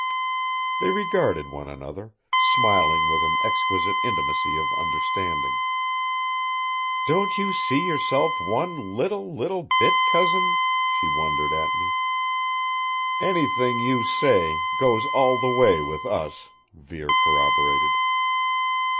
They regarded one another, smiling with an exquisite intimacy of understanding. "Don't you see yourself one little, little bit, Cousin?" she wondered at me. "Anything you say, goes all the way with us," Vere corroborated.